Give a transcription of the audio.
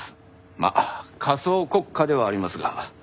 まあ仮想国家ではありますが。